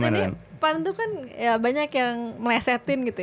mas ini pan itu kan banyak yang melesetin gitu ya